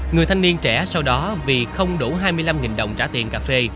người thanh niên trẻ sau đó vì không đủ hai mươi năm đồng trả tiền cà phê